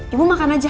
ibu makan aja